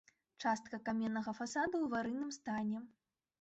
Частка каменнага фасаду ў аварыйным стане.